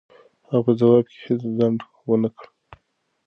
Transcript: هغه په ځواب کې هېڅ ځنډ و نه کړ.